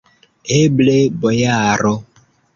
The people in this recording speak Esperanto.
Eble, bojaro!